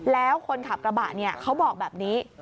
แล้วคนขับกระบะเนี่ยเขาบอกแบบนี้